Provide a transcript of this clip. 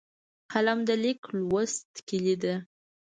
قلم د لیک لوست کلۍ ده